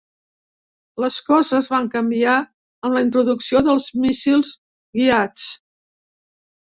Les coses van canviar amb la introducció dels míssils guiats.